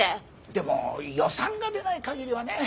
でも予算が出ない限りはね。